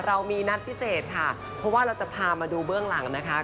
เรามีนัดพิเศษค่ะเพราะว่าเราจะพามาดูเบื้องหลังนะคะ